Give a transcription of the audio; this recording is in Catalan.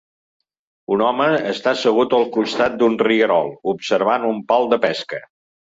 Un home està assegut al costat d'un rierol, observant un pal de pesca.